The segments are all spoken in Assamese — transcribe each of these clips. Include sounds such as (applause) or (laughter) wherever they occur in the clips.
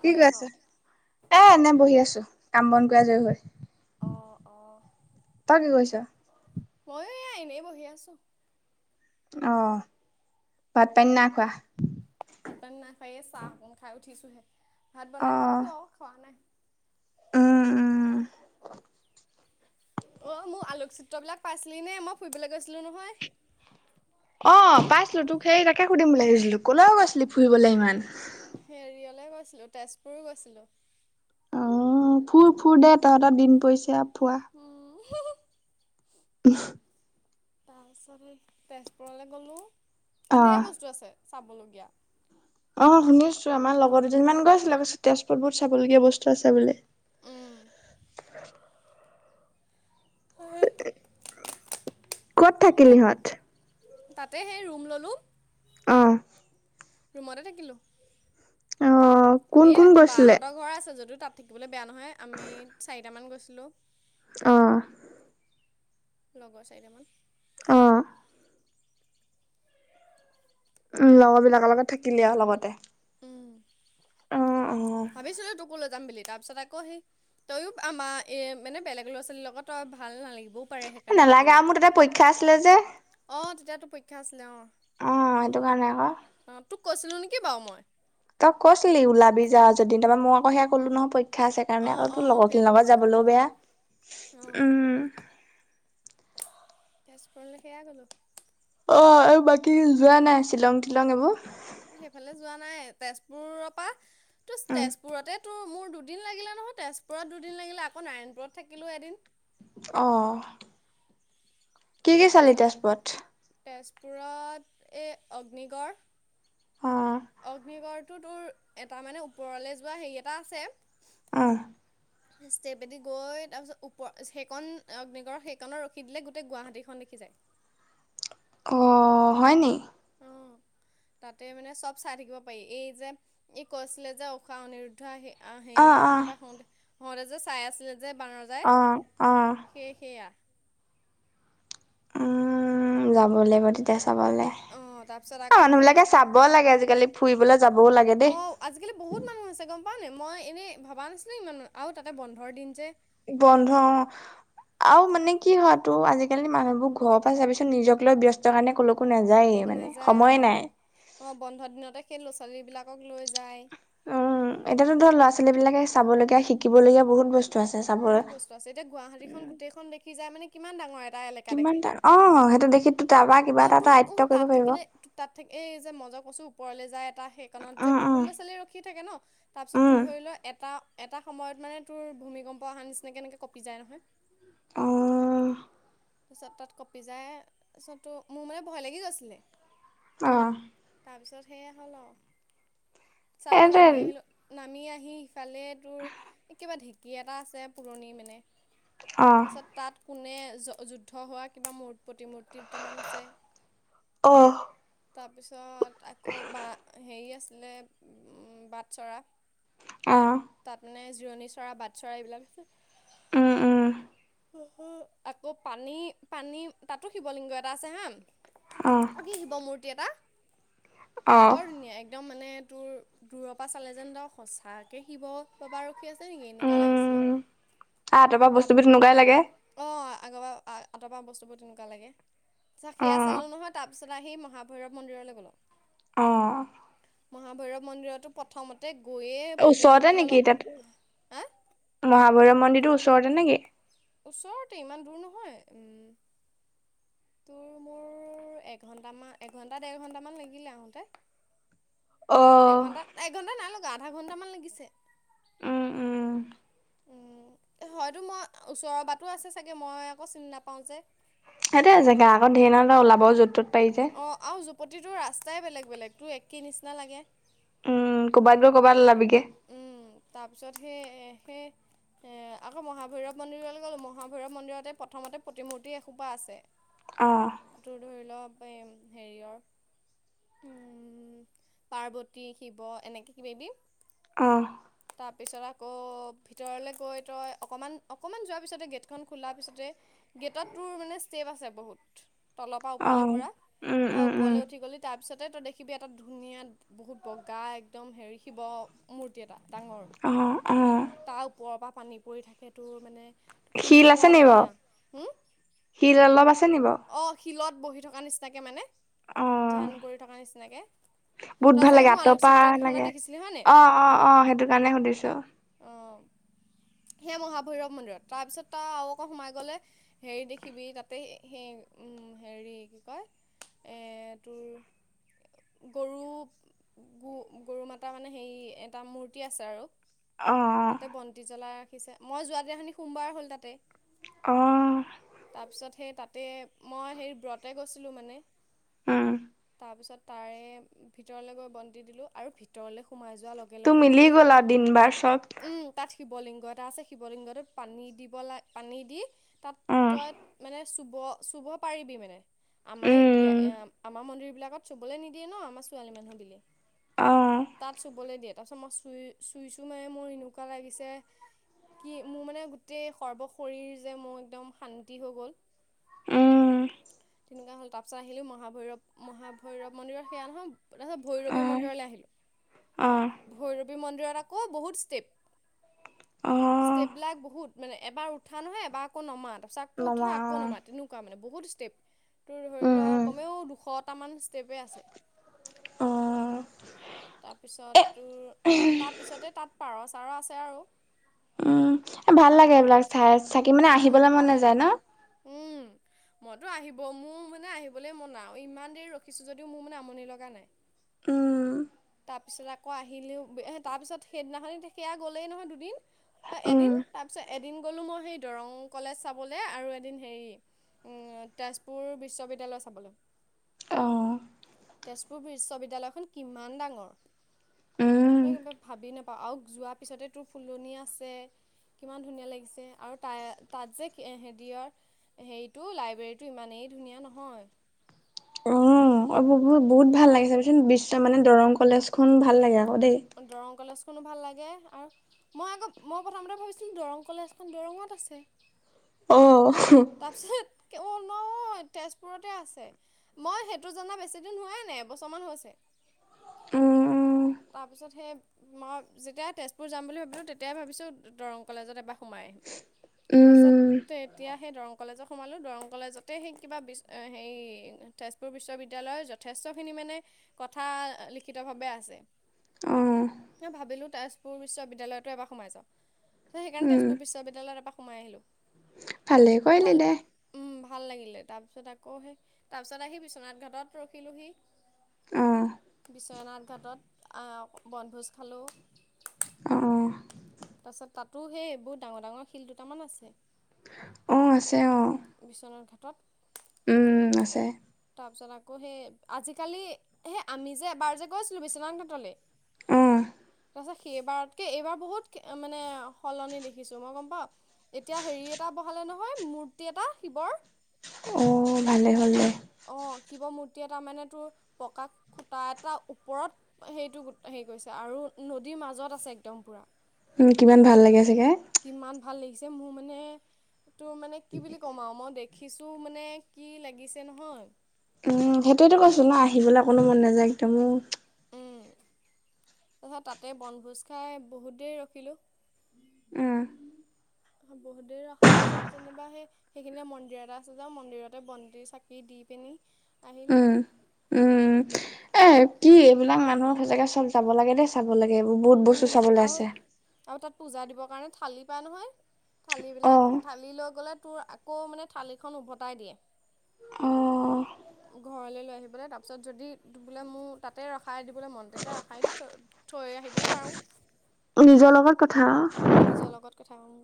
কি কৰি আছে, এ এনে বহি আছো কাম বন কৰি আজৰী হৈ। অ', অ'। তই কি কৰিছ। মইয়ো এয়া এনেই বহি আছোঁ। অ', ভাত পানী নাই খোৱা। ভাত পানী নাই খোৱা, এই চাহ অকন খাই উঠিছোঁহে, ভাত বনাই অ', থৈছোঁ আও খোৱা নাই। উম, উম। অ', মোৰ আলোকচিত্ৰবিলাক পাইছিলি নে, মই ফুৰিবলে গৈছিলোঁ নহয়। অ', পাইছিলো তোক সেই তাকে সুধিম বুলি ভাবিছিলো, ক'লৈ গৈছিলি ফুৰিবলে ইমান। হেৰিয়লে গৈছিলো, তেজপুৰো গৈছিলো। ফুৰ-ফুৰ দে তহঁতৰ দিন পৰিছে আৰু ফোৱা। উম, (unintelligible) (unintelligible) তাৰপিছত এই তেজপুৰলে গ'লোঁ, তাত ধেৰ অ', বস্তু আছে চাবলগীয়া। অ', শুনিছো আমাৰ লগৰ দুজনীমান গৈছিলে পিছে তেজপুৰত বহুত চাবলগীয়া বস্তু আছে বোলে। উম, (unintelligible) ক'ত থাকিল সেই ইহঁত। তাতে সেই ৰুম ল'লো। অ'। ৰুমতে থাকিলো, অ', কোন এ কোন গৈছিলে? বাহঁতৰ ঘৰ আছে যদিও তাত থাকিবলে বেয়া নহয় আমি চাৰিটামান গৈছিলোঁ। অ'। লগৰ চাৰিটামান। অ'। উম, লগৰবিলাকৰ লগত থাকিলি আও লগতে। উম, অ', অ'। ভাবিছিলো তোকো লৈ যাম বুলি। তাৰপিছত আকৌ সেই তইও আমাৰ এ মানে বেলেগ ল'ৰা ছোৱালীৰ লগত তই ভাল নালাগিবও পাৰে এই নালাগে আৰু মোৰ তাতে পৰীক্ষা আছিলে যে। অ', তেতিয়া তো পৰীক্ষা আছিলে অ'। অ', সেইটো কাৰণে আকৌ। অ', তোক কৈছিলোঁ নিকি বাও মই। তই কৈছিলি ওলাবি যা যদি তাৰ মই আকৌ সয়া কলো নহয়ই পৰীক্ষ- ক্ষাছে সেই কাৰণে অঁ আকৌ অঁ লগৰখিনিৰ সেইটো লগত কথা হ'ল যাবলৈও অঁ। বেয়া। অঁ। উম। তেজপুৰলৈকেয়া গ'লো। অ এই বাকী যোৱা নাই শ্বিলং তিলং এইবো? সেইফালে যোৱা নাই তেজপুৰৰ পা তো উম তেজপুৰতে তো মোৰ দুদিন লাগিলে নহয় তেজপুৰত দুদিন লাগিলে আকৌ নাৰায়ণপুৰত থাকিলো এদিন। অ। কি কি চালি তাপিছতা তেজপুৰত তেজপুৰত এ অগ্নিগড় অ অগ্নিগড়টো তোৰ এটা মানে ওপৰলে যোৱা হেৰি এটা আছে। ওহ। ষ্টেপ এদি গৈ তাৰপিছত ওপ সেইকণত অগ্নিগড়ৰ সেইকণত ৰখি দিলে গোটেই গুৱাহাটীখন দেখি যায়। অ হয় নি? তাতে মানে চব চাই থাকিব পাৰি এই যে এই কৈছিলে যে ঊষাহ অনিৰুদ্ধ আহি আহ অ সেৰি অ কিবা হওঁতে হওঁতে যে চাই আছিলে যে বানৰজা অ অ। সে সেয়া। উম যাব লাগিব তেতিয়া চাবলে। অঁ তাৰপিছত অ আকৌ মানুহ সেই বিলাকে চাবও লাগে আজিকালি ফুৰিবলৈ যাবও লাগে দেই। অঁ আজিকালি বহুত মানুহ আছে গম পাও নে মই এনেই ভবা নাছিলো ইমান আৰু তাতে বন্ধৰ দিন যে। বন্ধ অ। আৰু মানে কি হয় তো আজিকালি মানুহবোৰ ঘৰৰ পৰা চাবি চুন নিজক লৈ ব্যস্ত কাৰণে কলোক- কো নাযায়েই মানে, সময়ে নাই। অ বন্ধ দিনতে সেই ল'ৰা ছোৱালী বিলাকক লৈ যায়। উম এতিয়াতো ধৰ লৰা ছোৱালী বিলাকে চাব লগীয়া শিকিবলগীয়া বহুত বস্ত- বহুত বস্তু আছে এতিয়া গুৱাহাটীখন গোটেইখন দেখি যায় মানে কিমান ডাঙৰ এটা এলেকা কিমান দেখে। তাৰ অ সেইটো দেখিতো তাৰপা কিবা আৰু তোৰ এটা উহ আয়ত্ব কৰিব তাত পাৰিব। থাকিলে তাত থাকি এই যে মজক কছো ওপৰলে যায়। টা সেইকণত যে উম বহুত উম ল'ৰা ছোৱালীয়ে ৰখি থাকে যে ন তাৰপিছত তোৰ ধৰি লোৱা এটা এটা সময়ত মানে তোৰ ভূমিকম্প অহাৰ নিচিনাকে এনেকে কঁপি যায় নহয়। অহ। তাৰপিছত তাত কঁপি যায় তাপিছতো মোৰ মানে ভয় লাগি গৈছিলে। অ। তাৰপিছত সেয়া হ'ল আও, চা কন এইটো আমি আহিলো। নামি আহি ইফালে তোৰ কিবা ঢেঁকী এটা আছে পুৰণি মানে। অ তাৰপাছত তাত কোনে যুদ্ধ হোৱা কিবা মূ প্ৰতিমূৰ্তি দুটামান আছে অ তাৰপিছত আকৌ বা হেৰি আছিলে বাট চৰা। আহ। তাত মানে জিৰণি চৰা বাট চৰা এইবিলাক আছে। উম উম। আকৌ পানী পানী তাতো শিৱলিংগ এটা আছে হা। অ কি শিৱ মূৰ্তি এটা অ বৰ ধুনীয়া এক- দম মানে তোৰ দূৰৰ পৰা চালে যেন দ সঁচাকে শিৱ পাবা আৰ- ক্ষী আছে নেকি এনেকুৱা লাগিছিলে, উম আ তাৰপা তাত। বস্তুবোৰ তেনেকুৱাই লাগে অ আগৰ পৰা আঁতৰ পা বস্তুবোৰ তেনেকুৱা লাগে। অ সেয়া চালোঁ নহয় তাৰপিছত আহি মহাভৈৰৱ মন্দিৰলৈ গ'লো। অ। মহাভৈৰৱ মন্দিৰতো প্ৰথমতে গৈয়ে ওচৰতে প্ৰতিমূৰ্তি নেকি অলপ তাত, হা মহাভৈৰৱ মন্দিৰটোৰ ওচৰতে নেকি? ওচৰতে ইমান দূৰ নহয়, উম। তোৰ মোৰ এঘন্টামান এঘন্টা দেৰ ঘন্টামান লাগিলে আহোতে। অ এঘণ্টাত এঘণ্টা নাই লগা আধা ঘণ্টামান লাগিছে। উম উম উম হয়তো মই ওচৰৰ বাটো আছে চাগে মই আকৌ চিনি নাপাওঁ যে। সেইতে জেগা আকৌ ধেৰ নহলে ওলাব য'ত ত'ত পাৰি যে। অঁ আৰু যুপতিটোৰ ৰাস্তাই বেলেগ - বেলেগ তোৰ একেই নিচিনা লাগে। উম ক'বাত গৈ কবাত উলাবিগে। উম তাৰপিছত সেই সেই এ আকৌ মহাভৈৰৱ মন্দিৰলৈ গ'লোঁ মহাভৈৰৱ মন্দিৰতে প্ৰথমতে প্ৰতিমূৰ্তি এসোপা আছে। অ। তোৰ ধৰি লওক পেম হেৰিয়ৰ উম পাৰ্বতী -শিৱ এনেকৈ কিবা কিবি অঁহ। তাৰপিছত আকৌ ভিতৰলৈ গৈ তই অকণমান - অকণমান যোৱাৰ পিছতে গেটখন খোলাৰ পিছতে গেটত তোৰ মানে ষ্টেপ আছে বহুত তলৰ পৰা অ ওপৰলৈ পৰা উম বা উম উম ওপৰলৈ উঠি গ'লে তাৰপিছতে তই দেখিবি এটা ধুনীয়া বহুত বগা একদম হেৰি শিৱ মূৰ্তি এটা ডাঙৰ। অঁহ, অঁহ। তাৰ ওপৰৰ পৰা পানী পৰি থাকেতো মানে কিনো শিল আছে কোৱা নি ধুনীয়া বাৰু হুম! শিল অলপ আছে নি বাৰু অ। শিলত বহি থকা নিচিনাকৈ মানে অ ধ্যান কৰি থকা নিচিনাকে। বহুত তই ভাল চাগে লাগে মোৰ আঁতৰ পৰা আলোকচিত্ৰ লাগে, কেইখনত দেখিছিলি হয়নে অঁ-অঁ-অঁ সেইটো কাৰণে সুধিছো। (unintelligible) সেইয়া মহাভৈৰৱ মন্দিৰত তাৰপিছত তাৰ আৰু আকৌ সোমাই গ'লে হেৰি দেখিবি তাতে সেই উম হেৰি কি কয় এ তোৰ গৰু গোঁ গৰু মাতা মানে হেৰি এটা মূৰ্তি আছে আৰু। অ তাতে বন্তি জ্বলাই ৰাখিছে, মই যোৱা দিনাখনি সোমবাৰ হল তাতে। অঁ। তাৰপিছত সেই তাতে মই সেইৰি ব্ৰতে গৈছিলোঁ মানে। উম। তাৰ পিছত তাৰে ভিতৰলৈ গৈ বন্তি দিলো আৰু ভিতৰলৈ সোমাই যো যোৱাৰ লগে-লগে মিলি তোৰ গ'ল আৰু দিন বাৰ চব উম। তাত শিৱলিংগ এটা আছে, শিৱলিংগটোত পানী দিব লাগ পানী দি তাত উম তই মানে চুব-চুব পাৰিবি মানে আমাৰ ইয়া উম - ইয়া মন্দিৰবিলাকত চুবলৈ নিদিয়ে ন আমাৰ ছোৱালীমানুহ বুলি, অ তাত চুবলৈ দিয়ে। তাৰপাছত মই চুই-চুই চোহে মোৰ এনেকুৱা লাগিছে কি মোৰ মানে গোটেই সৰ্বশৰীৰ যে মোৰ একদম শান্তি হৈ গ'ল। উম। তেনেকুৱা হ'ল তাৰপাছত আহিলোঁ মহাভৈৰৱ- মহাভৈৰৱ মন্দিৰত সেয়া নহয় তাৰপিছত ভৈৰৱী অ', মন্দিৰলৈ আহিলোঁ, ভৈৰৱী মন্দিৰত আকৌ বহুত ষ্টেপ অঁ। ষ্টেপবিলাক বহুত মানে এবাৰ উঠা নহয়, এবাৰ আকৌ নমা তাৰপিছত আকৌ উঠা নমা আকৌ অ', নমা তেনো কুৱা মানে বহুত ষ্টেপ, তোৰ ধৰি উম, উম, লওক কমেও দুশটামান ষ্টেপেই আছে। অ', এ তাৰপিছত তোৰ তাৰপিছতে তাত পাৰচ পাৰ আছে আৰু। উম এ ভাল ধেৰ লাগে পাৰ এইবিলাক চাই চাকি মানে উম আহিবলৈ মন ভাল নাযায় লাগে ন? উম, মইতো আহিব মোৰ মানে আহিবলৈ মন নাই। অ ইমান দেৰি ৰখিছো যদিও মোৰ মানে আমনি লগা নাই। উম, তাৰপিছত আকৌ আহিলেও তাৰপিছত সেইদিনাখন সেয়া গ'লেই নহয় দুদিন। অ উম এদিন তাৰপিছত এদিন গ'লো মই সেই দৰং কলেজ চাবলৈ আৰু এদিন হেৰি উম তেজপুৰ বিশ্ববিদ্যালয় চাবলে। অ তেজপুৰ বিশ্ববিদ্যালয়খন কিমান ডাঙৰ উম, সেই কিবা ভাবি নাপাওঁ আও যোৱাৰ পিছতে তোৰ ফুলনি আছে। কিমান ধুনীয়া লাগিছে আৰু তাই তাত যে হেৰিয়ৰ হেৰিটো লাইব্ৰেৰীটো ইমানেই ধুনীয়া নহয়। উম, পুথি বহুত-বহুত ভাল লাগে চাবিচোন বিশ্ব মানে দৰং কলেজখন ভাল লাগে আকৌ দেই। দৰং কলেজখনো ভাল লাগে আও মই আকৌ মই প্ৰথমতে ভাবিছিলোঁ দৰং কলেজখন দৰঙত আছে। অ তাৰপিছেত অ নহয় তেজপুৰতে আছে মই সেইটো জনা বেছিদিন হোৱাই নাই এবছৰমান হৈছে। উম-উম তাৰপিছত সেই মই যেতিয়া তেজপুৰ যাম বুলি ভাবিলোঁ তেতিয়াই ভাবিছোঁ দৰং কলেজত এবাৰ সোমাই আহিম উম তাৰপিছত এতিয়া সেই দৰং কলেজত সোমালোঁ দৰং কলেজতে সেই কিবা বি হেৰি তেজপুৰ বিশ্ববিদ্যালয়ৰ যথেষ্টখিনি মানে কথা লিখিতভাৱে আছে অ ভাবিলোঁ তেজপুৰ বিশ্ববিদ্যালয়টো এবাৰ সোমাই যাওঁ ত' সেইকাৰণে উম, তেজপুৰ বিশ্ববিদ্যালয়ত এপাক সোমাই আহিলোঁ। ভালে ভাল কৰিলি দে উম, ভাল লাগিলে তাৰপিছত আকৌ সেই তাৰপিছত আহি বিশ্বনাথ ঘাটত ৰখিলোঁহি অ বিশ্বনাথ ঘাটত আহ বনভোজ খালোঁ। অ অ তাৰপাছত তাতো সেই বহুত ডাঙৰ-ডাঙৰ শিল দুটামান আছে। অ আছে অ বিশ্বনাথ ঘাটত উম, আছে। তাৰপিছত আকৌ সেই আজিকালি সেই আমি যে এবাৰ যে গৈছিলোঁ বিশ্বনাথঘাটলে অ'। তাৰপাছত সেইবাৰতকে এইবাৰ বহুত মানে সলনি দেখিছো মই গম পাওঁ এতিয়া হেৰি এটা বহালে নহয় মূৰ্তি এটা শিৱৰ অ ভালে হ'লে দে অ শিৱ মূৰ্তি এটাৰ মানে তোৰ পকা খুটা এটা ওপৰত সেইটো হেৰি কৰিছে আৰু নদীৰ মাজত আছে একদম পূৰা কিমান ভাল লাগে চাগে কিমান ভাল লাগিছে মোৰ মানে তোৰ মানে কি বুলি ক'ম আও মই দে খিচো মানে কি লাগিছে নহয় উম সেইটোৱে টো কৈছো না আহিবলে অকনো মন নাযায় একদমো উম তাৰপাছত তাতে বনভোজ খাই বহুত দেৰি ৰখিলোঁ উম বহুত দেৰি ৰখা পিছত যেনিবা সেই সেইখিনিতে মন্দিৰ এটা আছে যে মন্দিৰতে বন্তি চাকি দি পিনি আহিলোঁ। উম উম উম এ কি এইবিলাক মানুহক সচাঁগে চব যাব লাগে দেই চাব লাগে এইবোৰ বহুত বস্তু উম চাবলে আৰু আছে। আৰু তাত পূজা দিবৰ কাৰণে থালি পায় নহয় থালিবিলাক অ', থালি লৈ গ'লে তোৰ আকৌ মানে থালিখন উভতাই দিয়ে অ ঘৰলে লৈ আহিবলে তাৰপিছত যদি বোলে মোৰ তাতে ৰখাই দিবলে মন তেতিয়া ৰখাই দি থৈ থৈ আহিবও পাওঁ। নিজৰ লগত কথা আও। নিজৰ লগত কথা উ,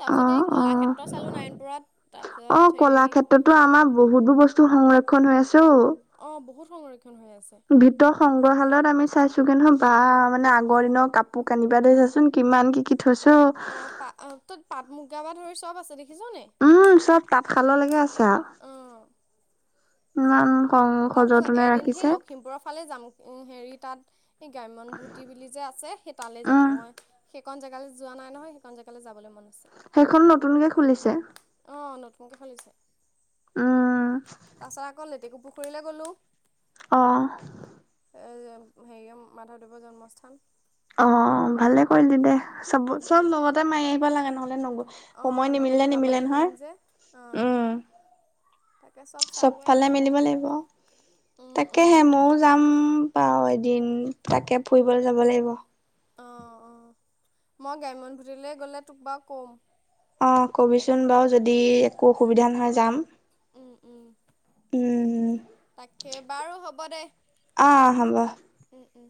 তাৰপিছত এই অ', অ'। কলাক্ষেত্ৰ চালোঁ নয়ণপুৰত তাৰপিছত হেৰি তাতো আমাৰ বহুতো বস্তু সংৰক্ষণ হৈ আছে অ, অ, বহুত সংৰক্ষণ হৈ আছে। ভিতৰ সংগ্ৰহালয়ত আমি চাইছোগে নহয় বা মানে আগৰ দিনৰ কাপ পোৰ কানি বাদে চাচোন কিমান কি- কি থৈছে অ, অ, পা তত পাট মুগা পা ধৰি চব আছে দেখিছনে? উ, চব তাঁতশাললৈকে আছে আও অঁ ইমান খং তাৰপিছত সযতনে এদিন সেই ৰাখিছে লখিমপুৰৰ ফালে যাম এ হেৰি তাত এ গ্ৰাম্যনভূতি বুলি যে আছে সেই তালে যাম উম মই সেইকণ জেগালে যোৱা নাই নহয় সেইকন জেগালে যাবলে মন আছে। সেইখন নতুনকে খুলিছে। অ, নতুনকে খুলিছে উম পাছত আকৌ লেটেকু পুখুৰীলে গ'লো। অহ', এইযে হেৰি অ, মাধৱদেৱৰ জন্মস্থান অ, ভালে কৰিলি দে চব -চব লগতে মাই আহিব লাগে নহলে নগ'ল সময় অঁ নহ'লে নিমিলিলে নিমিলে যাবলৈ নহয় নোৱাৰিম যে অঁ উম, তাকে চব চাই বৈ চবফালে আহিছোঁ আৰু মিলিব লাগিব উম উম তাকেহে ময়ো যাম বাও এদিন তাকে ফুৰিবলে যাব লাগিব। অ', অ', মই গ্ৰাম্যনভুতিলৈ গ'লে তোক বাৰু ক'ম। অ, কবিচোন বাৰু যদি একো অসুবিধা নহয় যাম। উম- উম উম, তাকে বাৰু হ'ব দে। অ, হ'ব। উম -উম